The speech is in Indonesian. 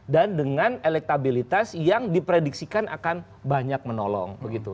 dan dengan elektabilitas yang diprediksikan akan banyak menolong begitu